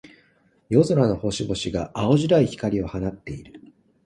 夜空の星々が、青白い光を放っている。